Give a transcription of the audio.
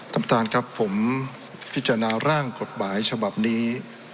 ท่านประธานครับผมพิจารณาร่างกฎหมายฉบับนี้